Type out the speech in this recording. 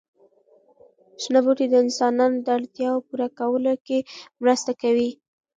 شنه بوټي د انسانانو د اړتیاوو پوره کولو کې مرسته کوي.